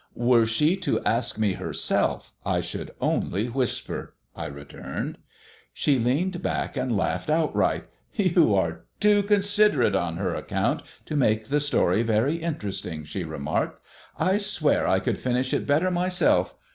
"Were she to ask me herself, I should only whisper," I returned. She leaned back and laughed outright. "You are too considerate on her account to make the story very interesting," she remarked. "I swear I could finish it better myself.